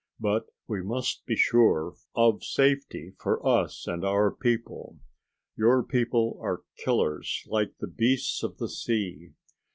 "But we must be sure of safety for us and our people. Your people are killers like the beasts of the sea.